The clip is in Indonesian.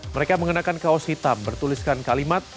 mereka mengenakan kaos hitam bertuliskan kalimat